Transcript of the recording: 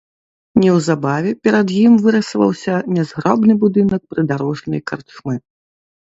Неўзабаве перад ім вырысаваўся нязграбны будынак прыдарожнай карчмы.